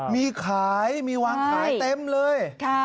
มีขายมีวางขายเต็มเลย